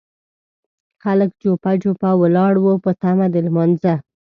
خلک جوپه جوپه ولاړ وو په تمه د لمانځه.